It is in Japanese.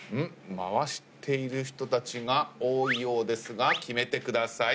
回している人たちが多いようですが決めてください。